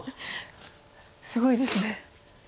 すごいですね。